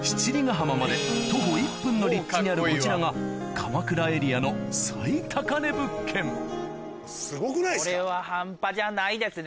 浜まで徒歩１分の立地にあるこちらが鎌倉エリアのこれは半端じゃないですね